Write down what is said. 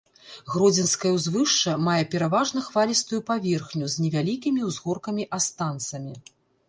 Гродзенскае ўзвышша мае пераважна хвалістую паверхню з невялікімі ўзгоркамі-астанцамі.